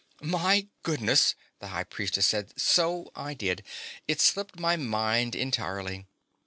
"My goodness!" the High Priestess said. "So I did! It slipped my mind entirely."